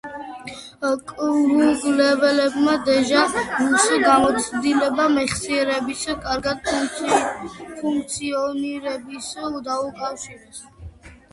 კვლევებმა დეჟა ვუს გამოცდილება მეხსიერების კარგად ფუნქციონირებას დაუკავშირეს.